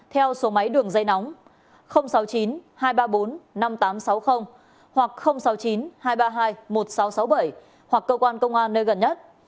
theo số máy đường dây nóng sáu mươi chín hai trăm ba mươi bốn năm nghìn tám trăm sáu mươi hoặc sáu mươi chín hai trăm ba mươi hai một nghìn sáu trăm sáu mươi bảy hoặc cơ quan công an nơi gần nhất